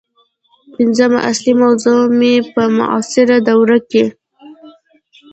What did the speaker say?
پنځمه اصلي موضوع مې په معاصره دوره کې